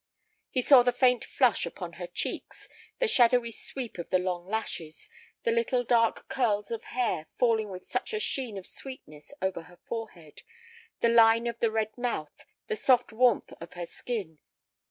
He saw the faint flush upon her cheeks, the shadowy sweep of the long lashes, the little dark curls of hair falling with such a sheen of sweetness over her forehead, the line of the red mouth, the soft warmth of her skin.